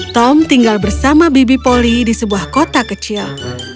tom tinggal bersama bibi poli di sebuah kota kecil